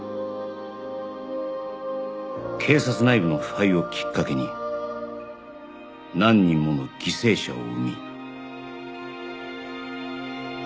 警察内部の腐敗をきっかけに何人もの犠牲者を生み